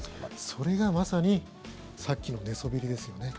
それがまさにさっきの寝そべりですよね。